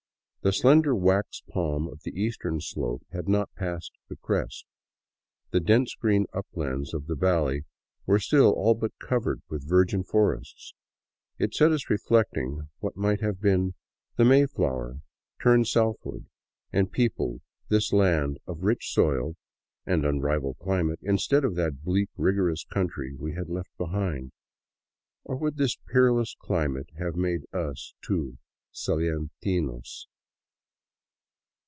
The slender wax palm of the eastern slope had not passed the crest. The dense green uplands of the valley were still all but covered with virgin forests. It set us reflecting what might have been had the " May flower " turned southward and peopled this land of rich soil and un rivalled chmate, instead of that bleak and rigorous country we had left behind. Or would this peerless climate have made us, too, salentinos